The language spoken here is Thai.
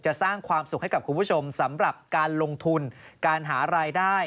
สร้างความสุขให้กับคุณผู้ชมสำหรับการลงทุนการหารายได้